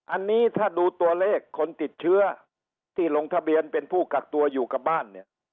อันนี้ถ้าดูตัวเลขคนติดเชื้อที่ลงทะเบียนเป็นผู้กักตัวอยู่กับบ้านเนี่ย